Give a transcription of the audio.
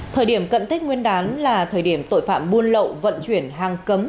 thời điểm cận tết nguyên đán là thời điểm tội phạm buôn lậu vận chuyển hàng cấm